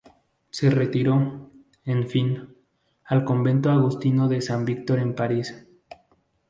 Se retiró, en fin, al convento agustino de San Víctor en París.